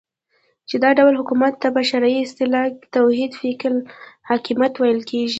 چی دا ډول حکومت ته په شرعی اصطلاح کی توحید فی الحاکمیت ویل کیږی